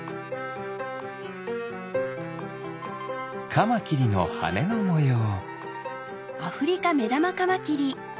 カマキリのはねのもよう。